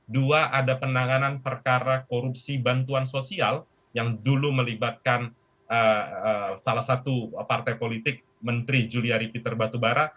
dua ada penanganan perkara korupsi bantuan sosial yang dulu melibatkan salah satu partai politik menteri juliari peter batubara